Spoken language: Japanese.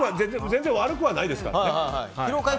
全然悪くはないですからね。